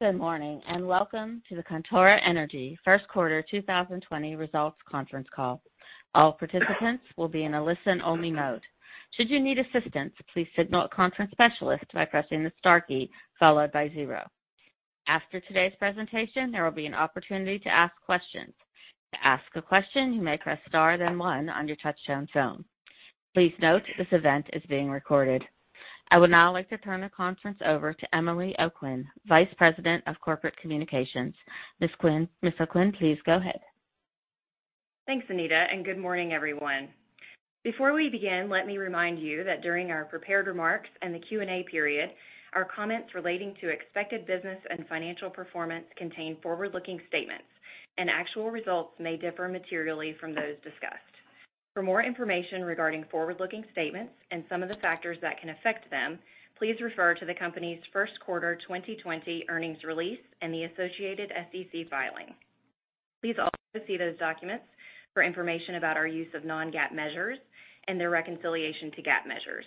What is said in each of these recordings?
Good morning, and welcome to the Contura Energy first quarter 2020 results conference call. All participants will be in a listen-only mode. Should you need assistance, please signal a conference specialist by pressing the star key followed by zero. After today's presentation, there will be an opportunity to ask questions. To ask a question, you may press star then one on your touchtone phone. Please note this event is being recorded. I would now like to turn the conference over to Emily O'Quinn, Vice President of Corporate Communications. Ms. O'Quinn, please go ahead. Thanks, Anita, and good morning, everyone. Before we begin, let me remind you that during our prepared remarks and the Q&A period, our comments relating to expected business and financial performance contain forward-looking statements, and actual results may differ materially from those discussed. For more information regarding forward-looking statements and some of the factors that can affect them, please refer to the company's first quarter 2020 earnings release and the associated SEC filing. Please also see those documents for information about our use of non-GAAP measures and their reconciliation to GAAP measures.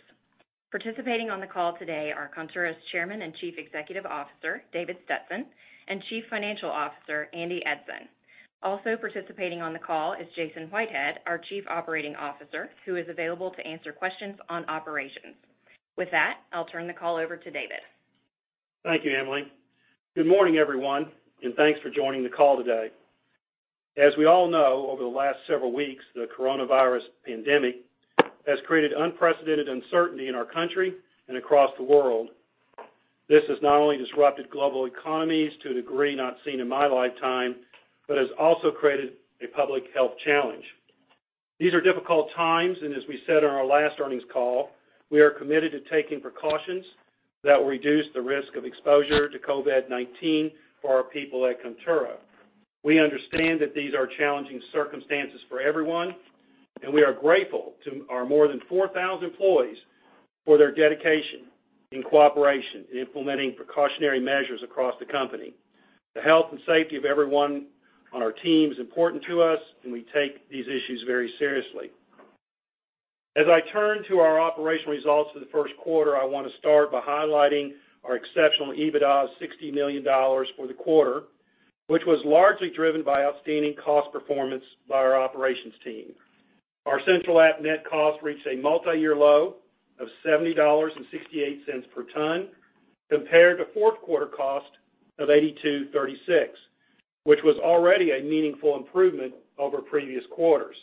Participating on the call today are Contura's Chairman and Chief Executive Officer, David Stetson, and Chief Financial Officer, Andy Eidson. Also participating on the call is Jason Whitehead, our Chief Operating Officer, who is available to answer questions on operations. With that, I'll turn the call over to David. Thank you, Emily. Good morning, everyone, and thanks for joining the call today. As we all know, over the last several weeks, the coronavirus pandemic has created unprecedented uncertainty in our country and across the world. This has not only disrupted global economies to a degree not seen in my lifetime, but has also created a public health challenge. These are difficult times, and as we said on our last earnings call, we are committed to taking precautions that will reduce the risk of exposure to COVID-19 for our people at Contura. We understand that these are challenging circumstances for everyone, and we are grateful to our more than 4,000 employees for their dedication and cooperation in implementing precautionary measures across the company. The health and safety of everyone on our team is important to us, and we take these issues very seriously. As I turn to our operational results for the first quarter, I want to start by highlighting our exceptional EBITDA of $60 million for the quarter, which was largely driven by outstanding cost performance by our operations team. Our Central App Met cost reached a multi-year low of $70.68 per ton compared to fourth quarter cost of $82.36, which was already a meaningful improvement over previous quarters.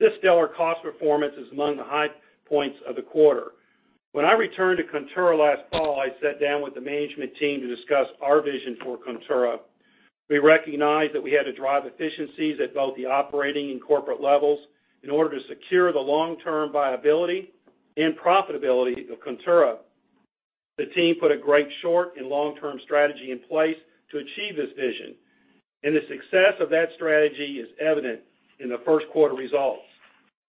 This stellar cost performance is among the high points of the quarter. When I returned to Contura last fall, I sat down with the management team to discuss our vision for Contura. We recognized that we had to drive efficiencies at both the operating and corporate levels in order to secure the long-term viability and profitability of Contura. The team put a great short- and long-term strategy in place to achieve this vision, and the success of that strategy is evident in the first quarter results.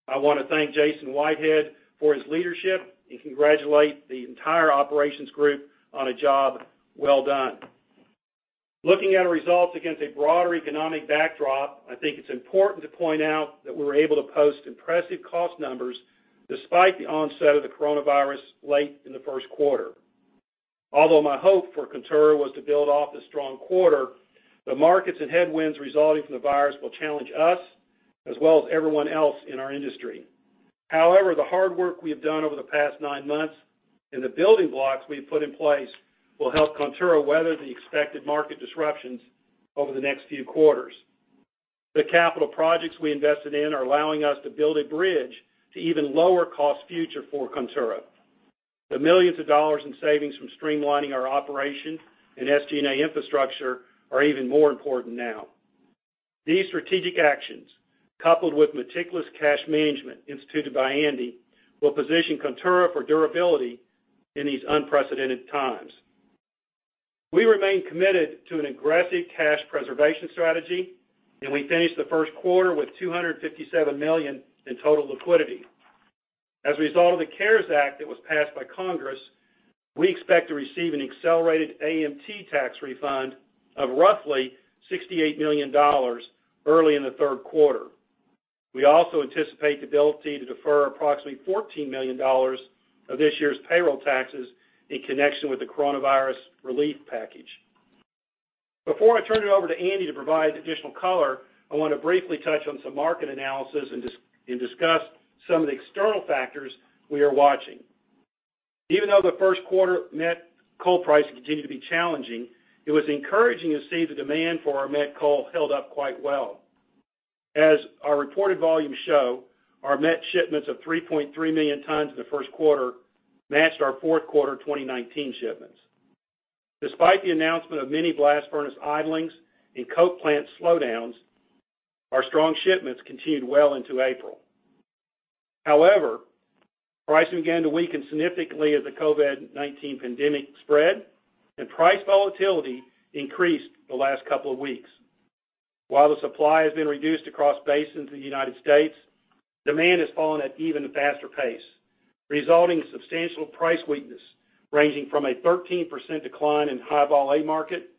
I want to thank Jason Whitehead for his leadership and congratulate the entire operations group on a job well done. Looking at our results against a broader economic backdrop, I think it's important to point out that we were able to post impressive cost numbers despite the onset of the Coronavirus late in the first quarter. Although my hope for Contura was to build off the strong quarter, the markets and headwinds resulting from the Virus will challenge us as well as everyone else in our industry. However, the hard work we have done over the past nine months and the building blocks we've put in place will help Contura weather the expected market disruptions over the next few quarters. The capital projects we invested in are allowing us to build a bridge to even lower cost future for Contura. The millions of dollars in savings from streamlining our operation and SG&A infrastructure are even more important now. These strategic actions, coupled with meticulous cash management instituted by Andy, will position Contura for durability in these unprecedented times. We remain committed to an aggressive cash preservation strategy, and we finished the first quarter with $257 million in total liquidity. As a result of the CARES Act that was passed by Congress, we expect to receive an accelerated AMT tax refund of roughly $68 million early in the third quarter. We also anticipate the ability to defer approximately $14 million of this year's payroll taxes in connection with the coronavirus relief package. Before I turn it over to Andy Eidson to provide additional color, I want to briefly touch on some market analysis and discuss some of the external factors we are watching. Even though the first quarter met coal prices continued to be challenging, it was encouraging to see the demand for our met coal held up quite well. As our reported volumes show, our met shipments of 3.3 million tons in the first quarter matched our fourth quarter 2019 shipments. Despite the announcement of many blast furnace idlings and coke plant slowdowns, our strong shipments continued well into April. Pricing began to weaken significantly as the COVID-19 pandemic spread and price volatility increased the last couple of weeks. While the supply has been reduced across basins in the United States, demand has fallen at an even faster pace, resulting in substantial price weakness ranging from a 13% decline in High Vol A market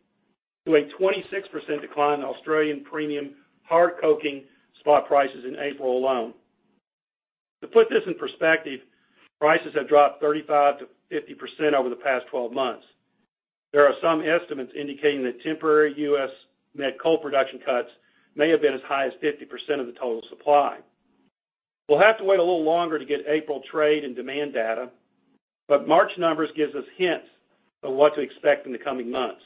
to a 26% decline in Australian premium hard coking spot prices in April alone. To put this in perspective, prices have dropped 35%-50% over the past 12 months. There are some estimates indicating that temporary US met coal production cuts may have been as high as 50% of the total supply. We'll have to wait a little longer to get April trade and demand data, March numbers gives us hints of what to expect in the coming months.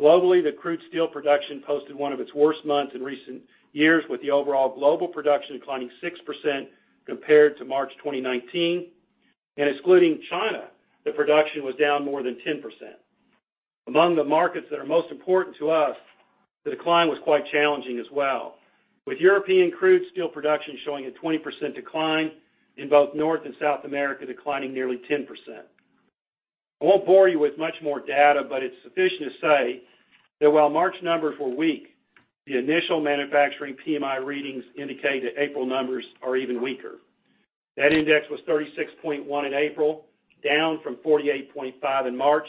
Globally, the crude steel production posted one of its worst months in recent years, with the overall global production declining 6% compared to March 2019. Excluding China, the production was down more than 10%. Among the markets that are most important to us, the decline was quite challenging as well, with European crude steel production showing a 20% decline, and both North and South America declining nearly 10%. I won't bore you with much more data, but it's sufficient to say that while March numbers were weak, the initial manufacturing PMI readings indicate that April numbers are even weaker. That index was 36.1 in April, down from 48.5 in March.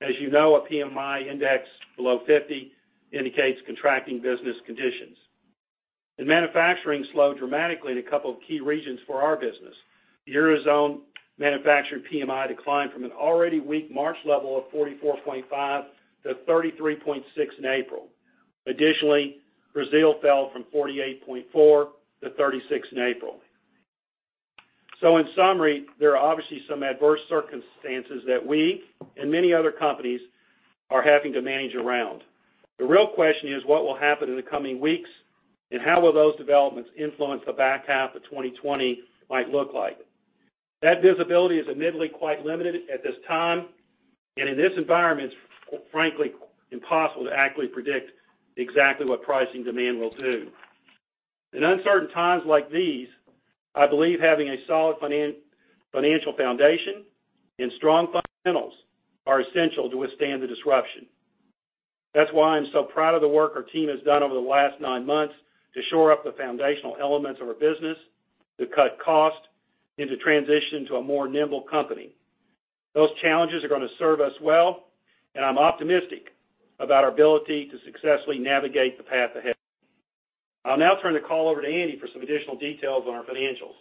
As you know, a PMI index below 50 indicates contracting business conditions. Manufacturing slowed dramatically in a couple of key regions for our business. The Eurozone manufacturing PMI declined from an already weak March level of 44.5 to 33.6 in April. Additionally, Brazil fell from 48.4 to 36 in April. In summary, there are obviously some adverse circumstances that we, and many other companies, are having to manage around. The real question is what will happen in the coming weeks, how will those developments influence the back half of 2020 might look like. That visibility is admittedly quite limited at this time, in this environment, frankly impossible to accurately predict exactly what pricing demand will do. In uncertain times like these, I believe having a solid financial foundation and strong fundamentals are essential to withstand the disruption. That's why I'm so proud of the work our team has done over the last nine months to shore up the foundational elements of our business, to cut cost into transition to a more nimble company. Those challenges are going to serve us well, I'm optimistic about our ability to successfully navigate the path ahead. I'll now turn the call over to Andy for some additional details on our financials.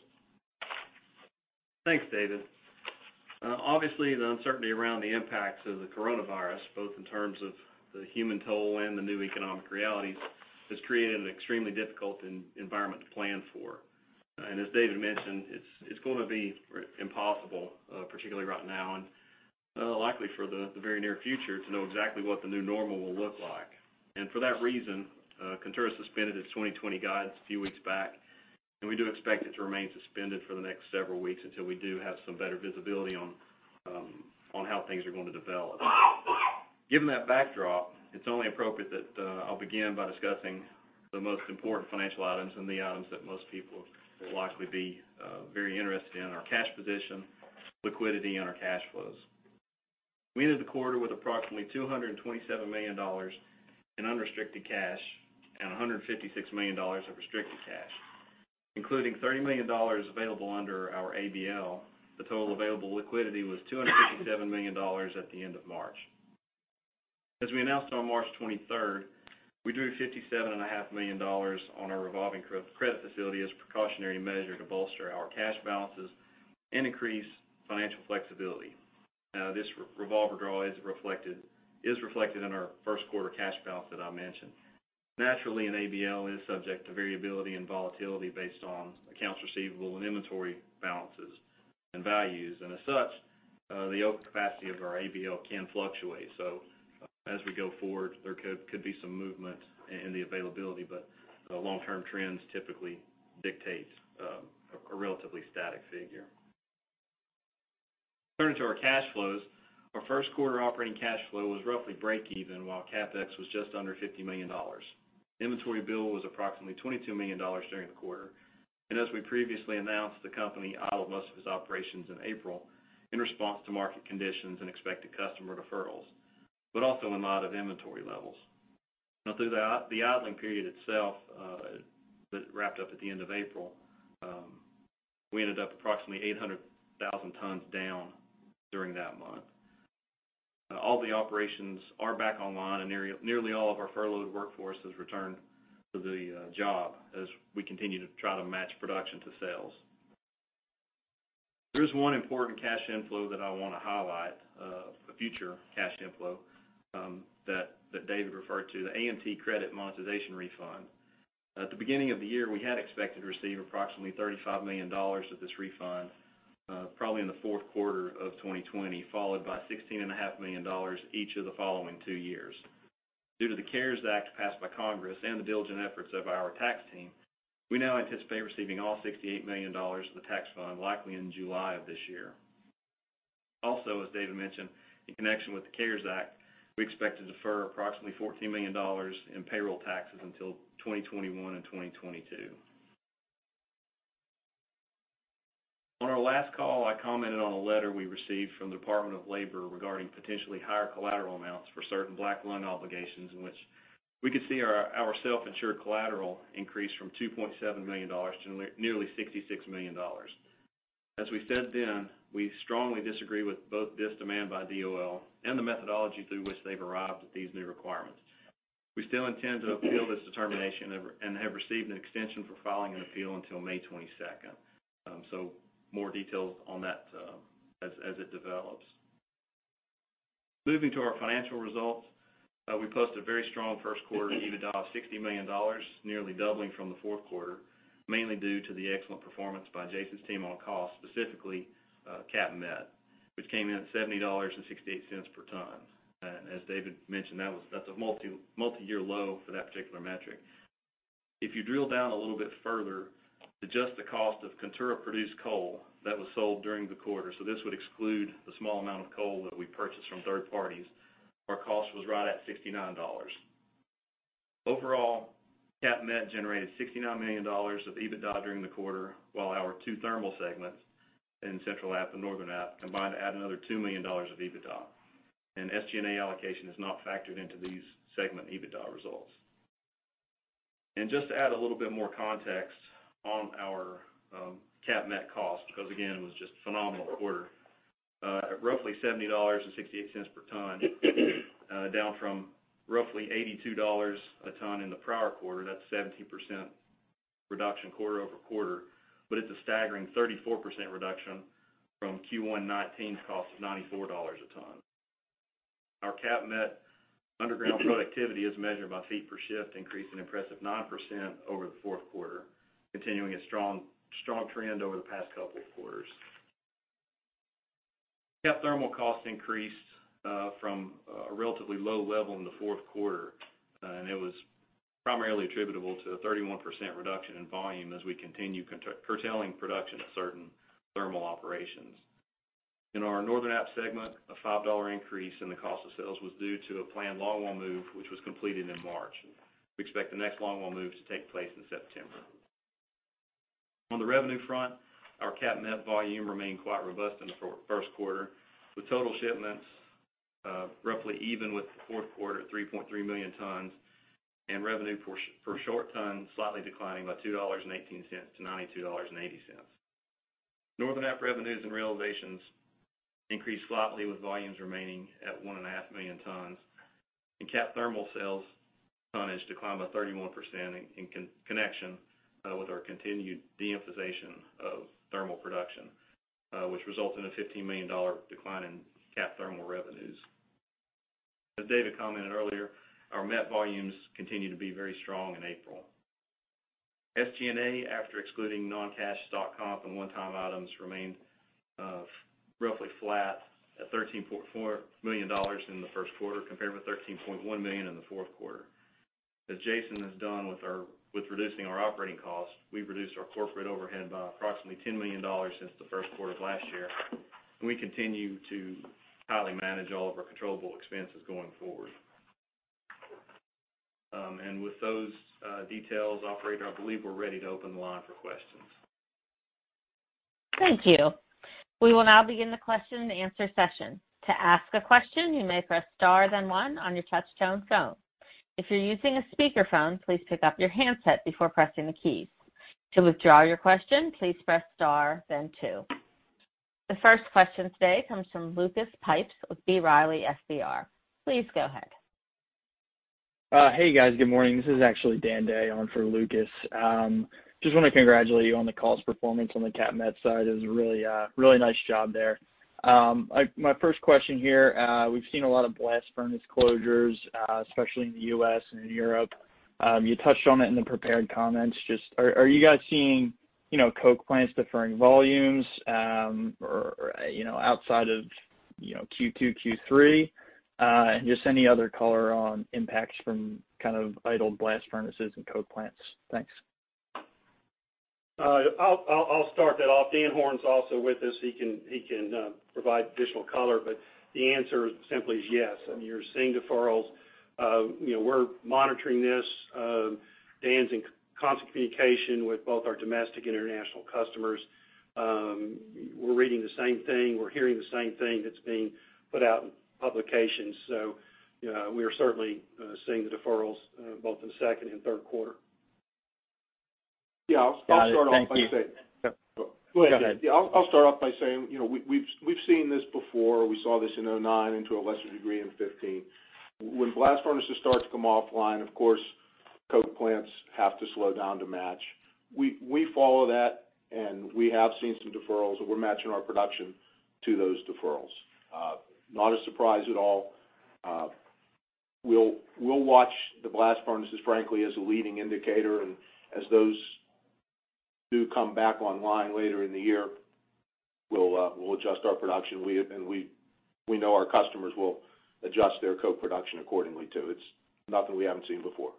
Thanks, David. Obviously, the uncertainty around the impacts of the coronavirus, both in terms of the human toll and the new economic realities, has created an extremely difficult environment to plan for. As David mentioned, it's going to be impossible, particularly right now and likely for the very near future, to know exactly what the new normal will look like. For that reason, Contura suspended its 2020 guidance a few weeks back, and we do expect it to remain suspended for the next several weeks until we do have some better visibility on how things are going to develop. Given that backdrop, it's only appropriate that I'll begin by discussing the most important financial items and the items that most people will likely be very interested in, our cash position, liquidity, and our cash flows. We ended the quarter with approximately $227 million in unrestricted cash and $156 million of restricted cash. Including $30 million available under our ABL, the total available liquidity was $257 million at the end of March. As we announced on March 23rd, we drew $57.5 million on our revolving credit facility as a precautionary measure to bolster our cash balances and increase financial flexibility. This revolver draw is reflected in our first quarter cash balance that I mentioned. Naturally, an ABL is subject to variability and volatility based on accounts receivable and inventory balances and values. As such, the open capacity of our ABL can fluctuate. As we go forward, there could be some movement in the availability, but long-term trends typically dictate a relatively static figure. Turning to our cash flows, our first quarter operating cash flow was roughly break even while CapEx was just under $50 million. Inventory build was approximately $22 million during the quarter. As we previously announced, the company idled most of its operations in April in response to market conditions and expected customer deferrals, but also in light of inventory levels. Through the idling period itself that wrapped up at the end of April, we ended up approximately 800,000 tons down during that month. All the operations are back online, and nearly all of our furloughed workforce has returned to the job as we continue to try to match production to sales. There is one important cash inflow that I want to highlight, a future cash inflow that David referred to, the AMT credit monetization refund. At the beginning of the year, we had expected to receive approximately $35 million of this refund, probably in the fourth quarter of 2020, followed by $16.5 million each of the following two years. Due to the CARES Act passed by Congress and the diligent efforts of our tax team, we now anticipate receiving all $68 million of the tax refund likely in July of this year. Also, as David mentioned, in connection with the CARES Act, we expect to defer approximately $14 million in payroll taxes until 2021 and 2022. On our last call, I commented on a letter we received from the Department of Labor regarding potentially higher collateral amounts for certain black lung obligations in which we could see our self-insured collateral increase from $2.7 million to nearly $66 million. As we said then, we strongly disagree with both this demand by DOL and the methodology through which they've arrived at these new requirements. We still intend to appeal this determination and have received an extension for filing an appeal until May 22nd. More details on that as it develops. Moving to our financial results. We posted a very strong first quarter EBITDA of $60 million, nearly doubling from the fourth quarter, mainly due to the excellent performance by Jason's team on cost, specifically CAPP-Met, which came in at $70.68 per ton. As David mentioned, that's a multi-year low for that particular metric. If you drill down a little bit further, adjust the cost of Contura produced coal that was sold during the quarter. This would exclude the small amount of coal that we purchased from third parties. Our cost was right at $69. Overall, CAPP-Met generated $69 million of EBITDA during the quarter, while our 2 thermal segments in Central App and Northern App combined to add another $2 million of EBITDA. SG&A allocation is not factored into these segment EBITDA results. Just to add a little bit more context on our CAPP- Met cost, because again, it was just a phenomenal quarter. At roughly $70.68 per ton, down from roughly $82 a ton in the prior quarter. That's 17% reduction quarter-over-quarter, but it's a staggering 34% reduction from Q1 2019's cost of $94 a ton. Our CAPP-Met underground productivity is measured by feet per shift, increased an impressive 9% over the fourth quarter, continuing a strong trend over the past couple of quarters. CAPP Thermal cost increased from a relatively low level in the fourth quarter, and it was primarily attributable to a 31% reduction in volume as we continue curtailing production at certain thermal operations. In our Northern App segment, a $5 increase in the cost of sales was due to a planned longwall move, which was completed in March. We expect the next longwall move to take place in September. On the revenue front, our CAPP-Met volume remained quite robust in the first quarter, with total shipments roughly even with the fourth quarter at 3.3 million tons, and revenue for short ton slightly declining by $2.18 to $92.80. Northern App revenues and realizations increased slightly, with volumes remaining at one and a half million tons. CAPP Thermal sales tonnage declined by 31% in connection with our continued de-emphasis of thermal production, which results in a $15 million decline in CAPP Thermal revenues. As David commented earlier, our met volumes continue to be very strong in April. SG&A, after excluding non-cash stock comp and one-time items, remained roughly flat at $13.4 million in the first quarter, compared with $13.1 million in the fourth quarter. As Jason has done with reducing our operating cost, we've reduced our corporate overhead by approximately $10 million since the first quarter of last year, and we continue to tightly manage all of our controllable expenses going forward. With those details, operator, I believe we're ready to open the line for questions. Thank you. We will now begin the question and answer session. To ask a question, you may press star, then one on your touchtone phone. If you're using a speakerphone, please pick up your handset before pressing the keys. To withdraw your question, please press star, then two. The first question today comes from Lucas Pipes with B. Riley FBR. Please go ahead. Hey, guys. Good morning. This is actually Dan Day on for Lucas. Just want to congratulate you on the call's performance on the CAPP-Met side. It was a really nice job there. My first question here. We've seen a lot of blast furnace closures, especially in the U.S. and in Europe. You touched on it in the prepared comments. Are you guys seeing coke plants deferring volumes or outside of Q2, Q3? Just any other color on impacts from kind of idled blast furnaces and coke plants? Thanks. I'll start that off. Dan Horn's also with us. He can provide additional color, but the answer simply is yes. You're seeing deferrals. We're monitoring this. Dan's in constant communication with both our domestic and international customers. We're reading the same thing. We're hearing the same thing that's being put out in publications. We are certainly seeing the deferrals both in the second and third quarter. Got it. Thank you. Yeah, I'll start off by saying. Go ahead. Yeah, I'll start off by saying, we've seen this before. We saw this in 2009, and to a lesser degree, in 2015. When blast furnaces start to come offline, of course, coke plants have to slow down to match. We follow that, and we have seen some deferrals, and we're matching our production to those deferrals. Not a surprise at all. We'll watch the blast furnaces, frankly, as a leading indicator, and as those do come back online later in the year, we'll adjust our production. We know our customers will adjust their coke production accordingly, too. It's nothing we haven't seen before.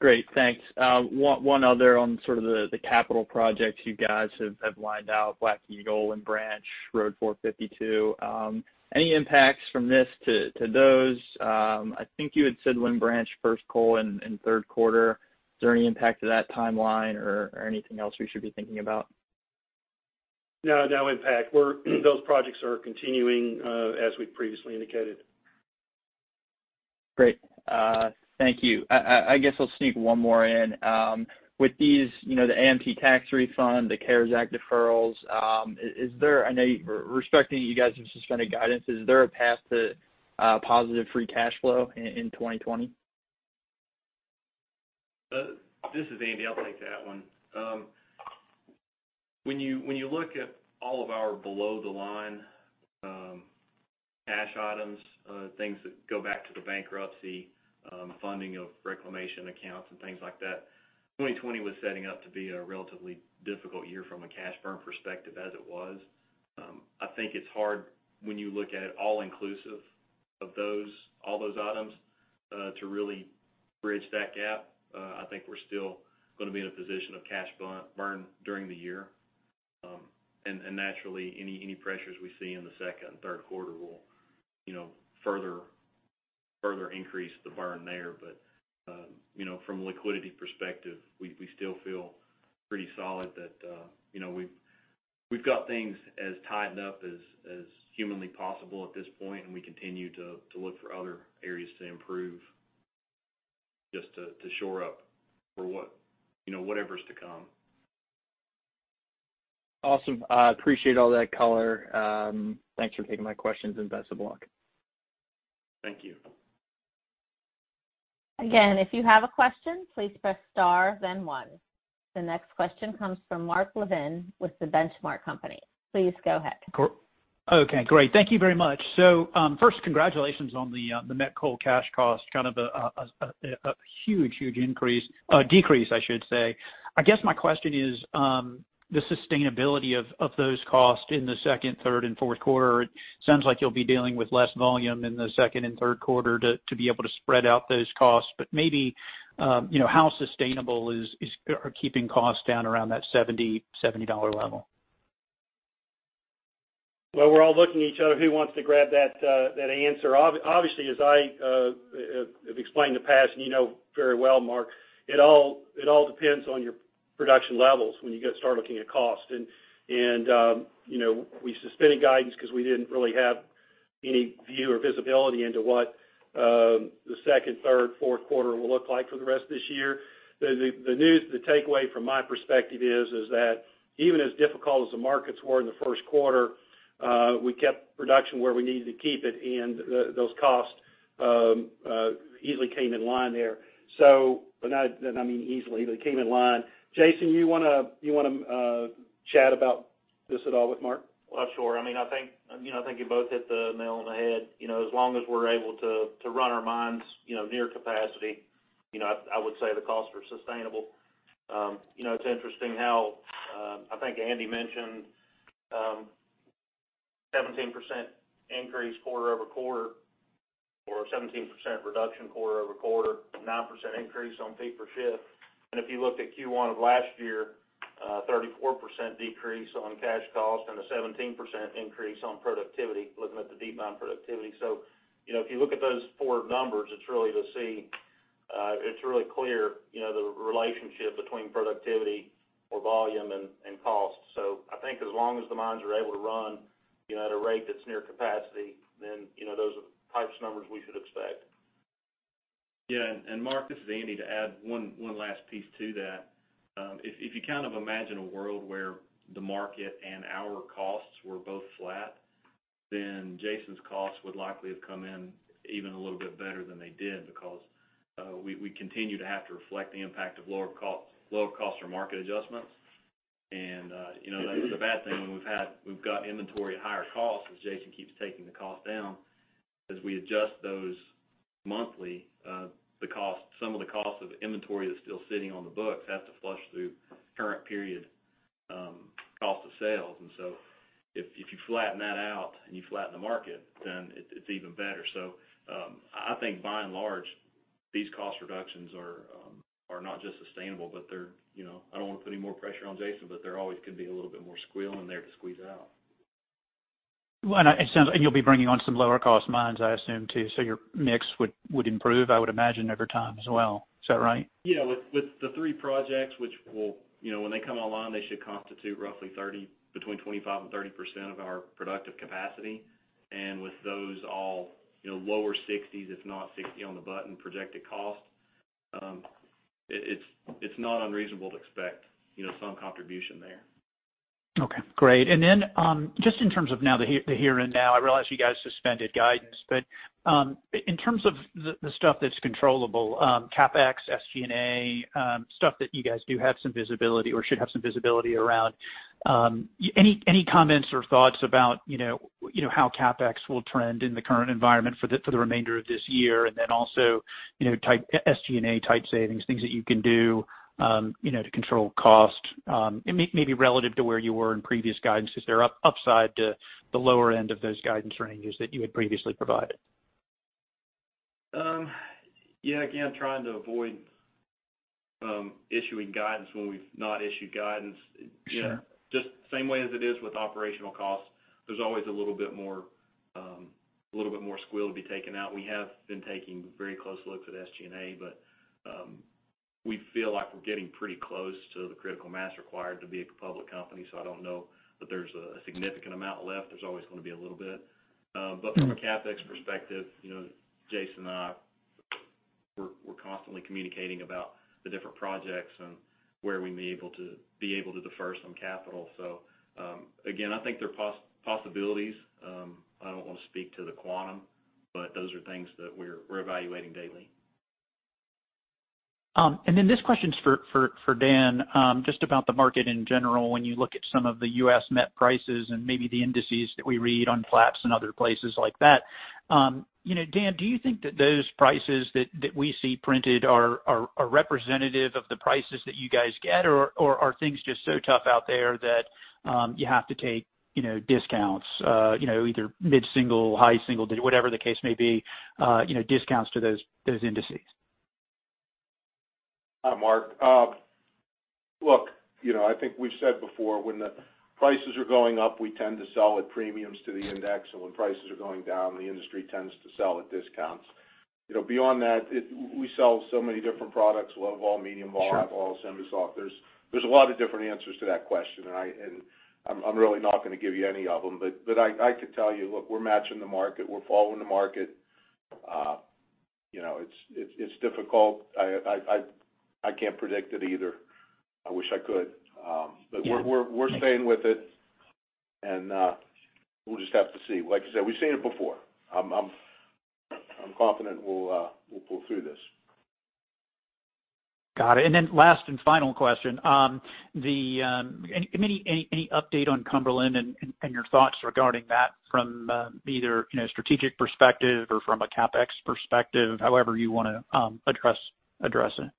Great. Thanks. One other on sort of the capital projects you guys have lined out, Black Eagle Lynn Branch, Road Fork 52, any impacts from this to those? I think you had said Lynn Branch first coal in third quarter. Is there any impact to that timeline or anything else we should be thinking about? No impact. Those projects are continuing as we previously indicated. Great. Thank you. I guess I'll sneak one more in. With these, the AMT tax refund, the CARES Act deferrals, I know respecting that you guys have suspended guidance, is there a path to positive free cash flow in 2020? This is Andy. I'll take that one. When you look at all of our below the line cash items, things that go back to the bankruptcy, funding of reclamation accounts and things like that, 2020 was setting up to be a relatively difficult year from a cash burn perspective as it was. I think it's hard when you look at it all inclusive of all those items, to really bridge that gap. I think we're still going to be in a position of cash burn during the year. Naturally, any pressures we see in the second and third quarter will further increase the burn there. From a liquidity perspective, we still feel pretty solid that we've got things as tightened up as humanly possible at this point, and we continue to look for other areas to improve just to shore up for whatever's to come. Awesome. I appreciate all that color. Thanks for taking my questions. Best of luck. Thank you. If you have a question, please press star then one. The next question comes from Mark Levin with The Benchmark Company. Please go ahead. Okay, great. Thank you very much. First, congratulations on the metallurgical coal cash cost, a huge decrease. I guess my question is the sustainability of those costs in the second, third, and fourth quarter. It sounds like you'll be dealing with less volume in the second and third quarter to be able to spread out those costs. Maybe, how sustainable is keeping costs down around that $70 level? Well, we're all looking at each other. Who wants to grab that answer? Obviously, as I have explained in the past, and you know very well, Mark, it all depends on your production levels when you start looking at cost. We suspended guidance because we didn't really have any view or visibility into what the second, third, fourth quarter will look like for the rest of this year. The news, the takeaway from my perspective is that even as difficult as the markets were in the first quarter, we kept production where we needed to keep it, and those costs easily came in line there. I don't mean easily, they came in line. Jason, you want to chat about this at all with Mark? Sure. I think you both hit the nail on the head. As long as we're able to run our mines near capacity, I would say the costs are sustainable. It's interesting how, I think Andy mentioned 17% increase quarter-over-quarter or 17% reduction quarter-over-quarter, 9% increase on feet per shift. If you looked at Q1 of last year, 34% decrease on cash cost and a 17% increase on productivity, looking at the deep mine productivity. If you look at those four numbers, it's really clear the relationship between productivity or volume and cost. I think as long as the mines are able to run at a rate that's near capacity, then those are the types of numbers we should expect. Yeah. Mark, this is Andy. To add one last piece to that. If you imagine a world where the market and our costs were both flat, Jason's costs would likely have come in even a little bit better than they did because we continue to have to reflect the impact of lower costs or market adjustments. That is a bad thing when we've got inventory at higher costs, as Jason keeps taking the cost down. As we adjust those monthly, some of the cost of inventory that's still sitting on the books has to flush through current period cost of sales. If you flatten that out and you flatten the market, then it's even better. I think by and large, these cost reductions are not just sustainable, I don't want to put any more pressure on Jason, but there always could be a little bit more to squeeze out. You'll be bringing on some lower cost mines, I assume, too. Your mix would improve, I would imagine, over time as well. Is that right? Yeah. With the three projects, when they come online, they should constitute roughly between 25% and 30% of our productive capacity. With those all lower $60s, if not $60 on the button projected cost, it's not unreasonable to expect some contribution there. Okay, great. Just in terms of the here and now, I realize you guys suspended guidance. In terms of the stuff that's controllable, CapEx, SG&A, stuff that you guys do have some visibility or should have some visibility around. Any comments or thoughts about how CapEx will trend in the current environment for the remainder of this year? SG&A type savings, things that you can do to control cost. Maybe relative to where you were in previous guidance, is there upside to the lower end of those guidance ranges that you had previously provided? Yeah. Again, trying to avoid issuing guidance when we've not issued guidance. Sure. Just same way as it is with operational costs. There's always a little bit more squeal to be taken out. We have been taking very close looks at SG&A, but We feel like we're getting pretty close to the critical mass required to be a public company. I don't know that there's a significant amount left. There's always going to be a little bit. From a CapEx perspective, Jason and I, we're constantly communicating about the different projects and where we may be able to defer some capital. Again, I think there are possibilities. I don't want to speak to the quantum, but those are things that we're evaluating daily. This question's for Dan, just about the market in general. When you look at some of the U.S. met prices and maybe the indices that we read on Platts and other places like that. Dan, do you think that those prices that we see printed are representative of the prices that you guys get? Are things just so tough out there that you have to take discounts, either mid-single, high single, whatever the case may be, discounts to those indices? Hi, Mark. Look, I think we've said before, when the prices are going up, we tend to sell at premiums to the index, and when prices are going down, the industry tends to sell at discounts. Beyond that, we sell so many different products, low vol, medium vol. Sure High Vol, semi-soft. There's a lot of different answers to that question. I'm really not going to give you any of them. I could tell you, look, we're matching the market. We're following the market. It's difficult. I can't predict it either. I wish I could. Yeah. We're staying with it, and we'll just have to see. Like I said, we've seen it before. I'm confident we'll pull through this. Got it. Last and final question. Any update on Cumberland and your thoughts regarding that from either strategic perspective or from a CapEx perspective, however you want to address it?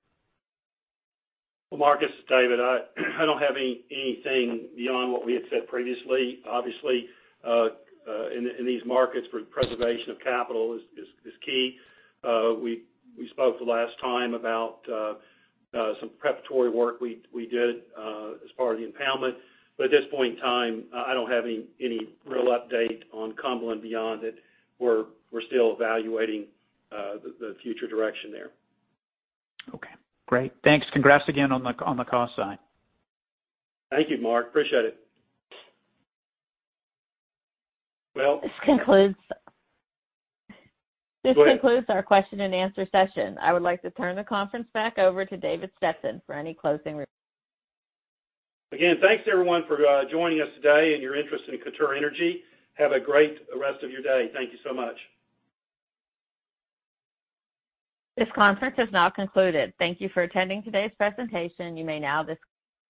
Well, Mark, this is David. I don't have anything beyond what we had said previously. Obviously, in these markets for preservation of capital is key. We spoke the last time about some preparatory work we did as part of the impoundment. At this point in time, I don't have any real update on Cumberland beyond that we're still evaluating the future direction there. Okay, great. Thanks. Congrats again on the cost side. Thank you, Mark. Appreciate it. Well This concludes. Go ahead. This concludes our question and answer session. I would like to turn the conference back over to David Stetson for any closing remarks. Again, thanks everyone for joining us today and your interest in Contura Energy. Have a great rest of your day. Thank you so much. This conference has now concluded. Thank you for attending today's presentation. You may now disconnect.